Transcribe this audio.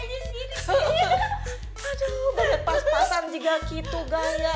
aduh udah pas pasan juga gitu gaya